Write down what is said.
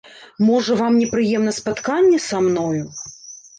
Можа, вам непрыемна спатканне са мною?